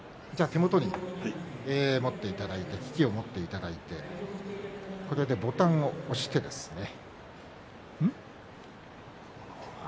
手元に持っていただいて機器を持っていただいてボタンを押してですね。